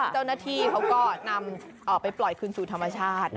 เจ้าหน้าที่เขาก็นำไปปล่อยคืนสู่ธรรมชาติ